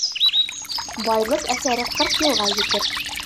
Байлыҡ әҫәре ҡырҡ йылға етер.